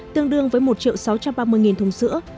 tương đương với một sáu trăm ba mươi thùng sữa